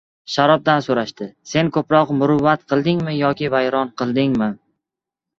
• Sharobdan so‘rashdi: “Sen ko‘proq muruvvat qildingmi yoki vayron qildingmi?”.